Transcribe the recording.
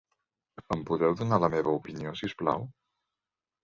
Em podeu donar la meva opinió, si us plau?